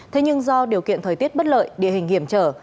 thế nhưng do điều kiện thời tiết bất lợi địa hình hiểm trở